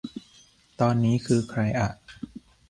ตอนนี้คือใครอ่ะ